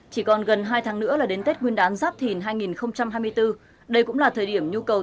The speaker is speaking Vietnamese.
chỉ còn gần hai tháng nữa là đến tết nguyên đán giáp thìn hai nghìn hai mươi bốn đây cũng là thời điểm nhu cầu